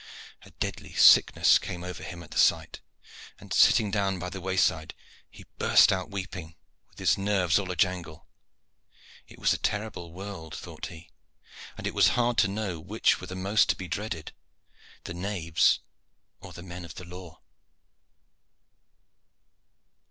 A deadly sickness came over him at the sight, and sitting down by the wayside he burst out weeping, with his nerves all in a jangle. It was a terrible world thought he, and it was hard to know which were the most to be dreaded, the knaves or the men of the law.